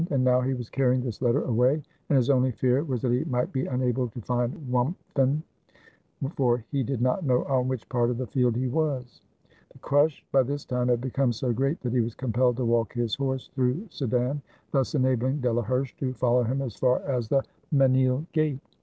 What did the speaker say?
And now he was carrying this letter away, and his only fear was that he might be unable to find Wimpffen, for he did not know on what part of the field he was. The crush by this time had become so great that he was compelled to walk his horse through Sedan, thus enabhng Delaherche to follow him as far as the Menil gate.